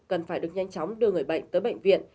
cần phải được nhanh chóng đưa người bệnh tới bệnh viện